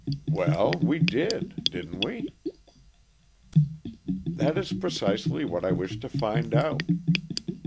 "Well, we did, didn't we?" "That is precisely what I wish to find out.